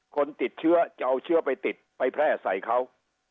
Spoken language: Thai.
คนติดเชื้อจะเอาเชื้อไปติดไปแพร่ใส่เขา